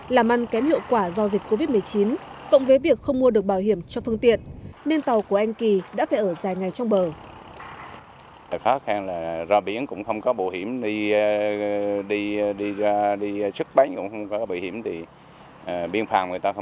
làm ăn kém hiệu quả do dịch covid một mươi chín cộng với việc không mua được bảo hiểm cho phương tiện nên tàu của anh kỳ đã phải ở dài ngày trong bờ